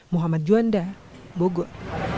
muhammad juanda bogor